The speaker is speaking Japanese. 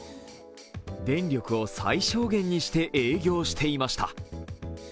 電力を最小限にして営業していました。